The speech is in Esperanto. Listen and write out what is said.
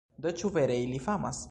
Do ĉu vere ili famas?